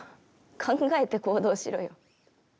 考えて行動しろよ。